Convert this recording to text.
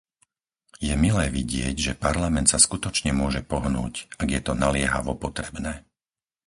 Je milé vidieť, že Parlament sa skutočne môže pohnúť, ak je to naliehavo potrebné.